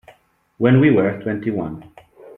When We Were Twenty-One